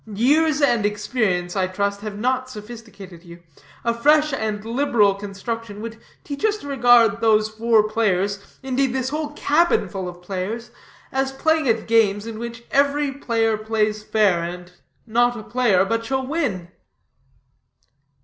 Years and experience, I trust, have not sophisticated you. A fresh and liberal construction would teach us to regard those four players indeed, this whole cabin full of players as playing at games in which every player plays fair, and not a player but shall win."